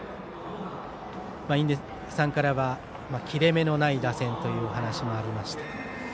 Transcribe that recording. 印出さんからは切れ目のない打線というお話がありました。